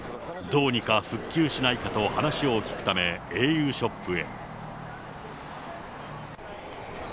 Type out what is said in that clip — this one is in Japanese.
どうにか復旧しないかと話を聞くため、ａｕショップへ。